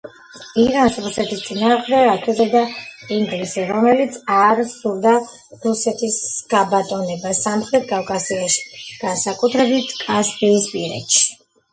ირანს რუსეთის წინააღმდეგ აქეზებდა ინგლისი, რომელსაც არ სურდა რუსეთის გაბატონება სამხრეთ კავკასიაში, განსაკუთრებით, კასპიისპირეთში.